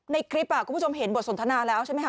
ในคลิปคุณผู้ชมเห็นบทสนทนาแล้วใช่ไหมค